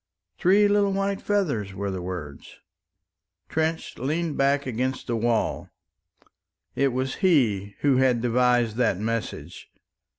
"Three little white feathers," were the words. Trench leaned back against the wall. It was he who had devised that message.